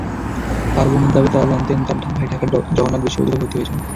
তাঁর বোনের দাবি, তাঁরা জানতেন, তাঁর ভাই ঢাকার জগন্নাথ বিশ্ববিদ্যালয়ে ভর্তি হয়েছেন।